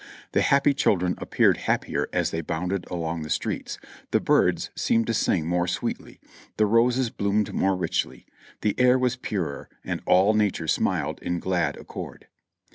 The happy children appeared happier as they bounded along the streets; the birds seemed to sing more sweetly, the roses bloomed more richly, the air was purer and all nature smiled in glad accord.